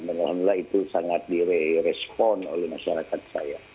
alhamdulillah itu sangat di respon oleh masyarakat saya